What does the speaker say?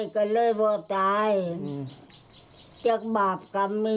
คุณผู้ชมคุณมิ้ว